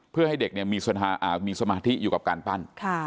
เพื่อให้เด็กมีสมาธิอยู่กับการปั้น